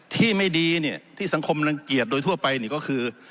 ที่ไม่ดีเนี่ยที่สังคมรังเกียจโดยทั่วไปก็คือ